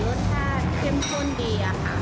อร่อยรสชาติเย็มข้นดีค่ะ